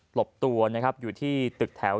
หลบตัวอยู่ที่ตึกแถว